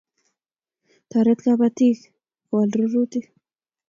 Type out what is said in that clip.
Toret kapatik kuwal rurutik